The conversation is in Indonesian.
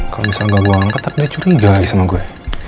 kalau misalnya gak gue angkat dia curiga lagi sama gue